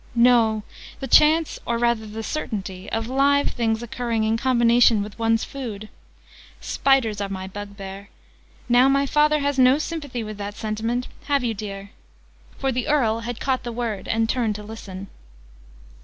"No, the chance or rather the certainty of live things occurring in combination with one's food! Spiders are my bugbear. Now my father has no sympathy with that sentiment have you, dear?" For the Earl had caught the word and turned to listen.